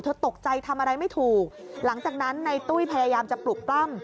ตกใจทำอะไรไม่ถูกหลังจากนั้นในตุ้ยพยายามจะปลุกปล้ำ